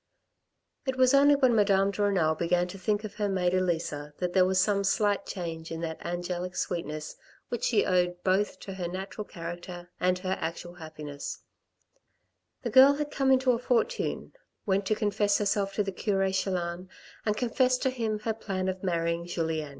It was only when Madame de Renal began to think of her maid Elisa that there was some slight change in that angelic sweetness which she owed both to her natural character and her actual happiness, The girl had come into a fortune, went to confess herself to the cure Chelan and confessed to him her plan of marrying Julien.